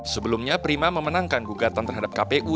sebelumnya prima memenangkan gugatan terhadap kpu